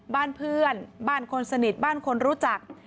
บ้านเพื่อนบ้านคนสนิทบ้านคนรู้จัก